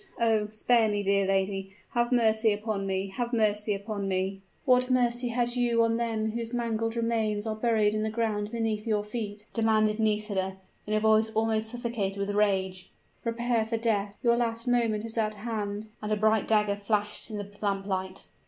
Oh! spare me, dear lady have mercy upon me have mercy upon me!" "What mercy had you on them whose mangled remains are buried in the ground beneath your feet?" demanded Nisida, in a voice almost suffocated with rage. "Prepare for death your last moment is at hand!" and a bright dagger flashed in the lamp light.